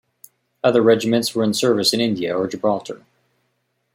Other regiments were in service in India or Gibraltar.